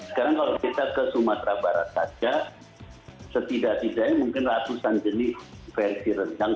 sekarang kalau kita ke sumatera barat saja setidak tidaknya mungkin ratusan jenis versi rendang